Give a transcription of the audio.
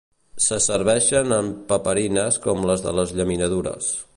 Se serveixen en paperines com les de les llaminadures.